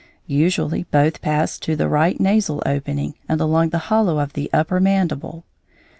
Usually both pass to the right nasal opening and along the hollow of the upper mandible.